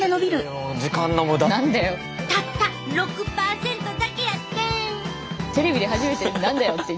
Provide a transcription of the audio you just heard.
たった６％だけやってん！